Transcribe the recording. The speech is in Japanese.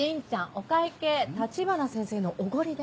お会計橘先生のおごりで。